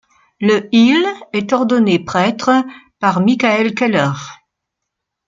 Le il est ordonné prêtre par Michael Keller.